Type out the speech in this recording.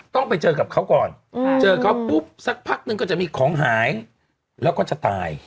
ต้องไปเจอกับเขาก่อนเจอเขาปุ๊บสักพักนึงก็จะมีของหายแล้วก็จะตาย